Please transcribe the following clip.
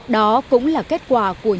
đó cũng là kết quả của những bản lạc nơi đây